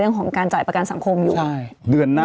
คุณก็จ่าย๗๕บาท๒เดือน